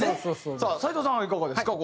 さあ斎藤さんはいかがですか？